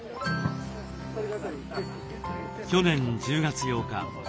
去年１０月８日。